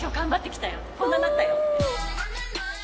こんななったよって。